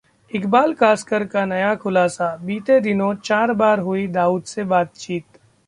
इकबाल कास्कर का नया खुलासा- बीते दिनों चार बार हुई दाऊद से बातचीत